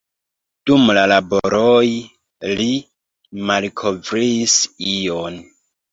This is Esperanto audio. Dum la laboroj li malkovris ion.